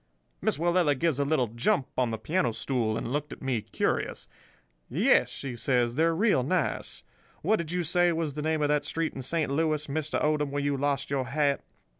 "Miss Willella gives a little jump on the piano stool, and looked at me curious. "'Yes,' says she, 'they're real nice. What did you say was the name of that street in Saint Louis, Mr. Odom, where you lost your hat?